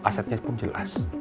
asetnya pun jelas